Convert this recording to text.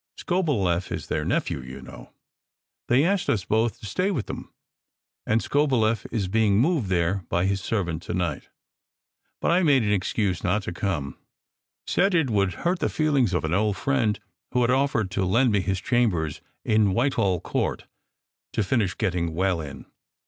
Skobeleff is their nephew, you know. They asked us both to stay with them, and Skobeleff is being moved here by his servant to night; but I made an excuse not to come said it would hurt the feelings of an old friend who had offered to lend me his chambers in Whitehall Court to finish getting well in.